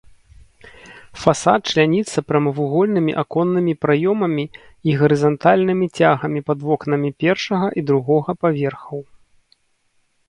Фасад чляніцца прамавугольнымі аконнымі праёмамі і гарызантальнымі цягамі пад вокнамі першага і другога паверхаў.